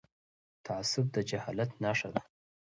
تعصب د جهالت نښه ده..